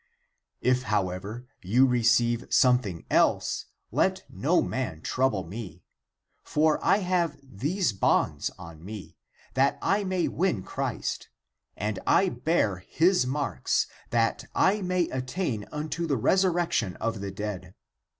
j^s 34. If, however, you receive something else,^* let no man trouble me.^s 35. For I have these bonds on me, that I may win Christ, and I bear his marks, that I may attain unto the resurrection of the dead.